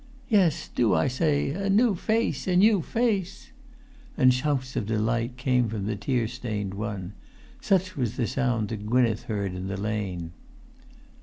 "Yes, do, I say! A new face! A new face!" And shouts of delight came from the tear stained one: such was the sound that Gwynneth heard in the lane.